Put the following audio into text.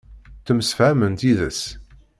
Ttemsefhament yid-s.